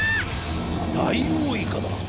ダイオウイカだ！